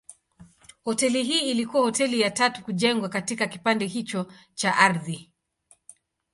Hoteli hii ilikuwa hoteli ya tatu kujengwa katika kipande hicho cha ardhi.